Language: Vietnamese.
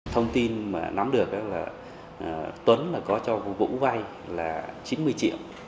thông tin mà nắm được là tuấn có cho vũ vay là chín mươi triệu